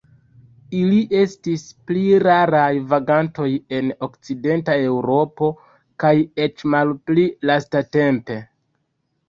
Ili estis pli raraj vagantoj en okcidenta Eŭropo, kaj eĉ malpli lastatempe.